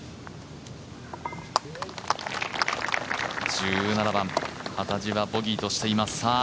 １７番幡地はボギーとしています